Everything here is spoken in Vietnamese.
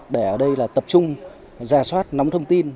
để ở đây tập trung ra soát nóng thông tin